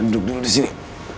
rena duduk dulu disini